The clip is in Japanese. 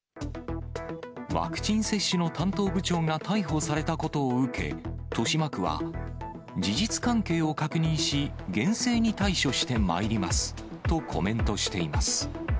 ワクチン接種の担当部長が逮捕されたことを受け、豊島区は、事実関係を確認し、厳正に対処してまいりますとコメントしています。